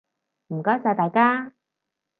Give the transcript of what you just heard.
唔該晒大家！